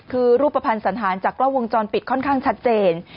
คือรูปภัณฑ์สันธารจากกล้องวงจรปิดค่อนข้างชัดเจน